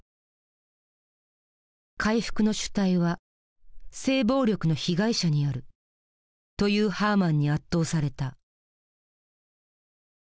「回復の主体は性暴力の被害者にある」というハーマンに圧倒された。